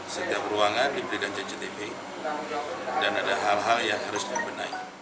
setiap ruangan diberikan cctv dan ada hal hal yang harus dibenahi